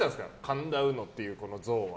神田うのっていう像は？